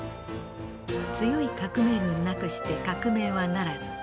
「強い革命軍なくして革命はならず」。